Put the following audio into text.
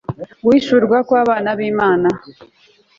guhishurwa kw abana b imana